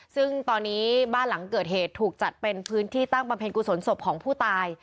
ซึ่งตอนนี้บ้านหลังเกิดเหตุถูกจัดเป็นพื้นที่ตั้งบำเพ็ญกุศลศพของผู้ตาย